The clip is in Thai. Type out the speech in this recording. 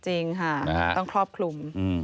จริงค่ะต้องครอบคลุม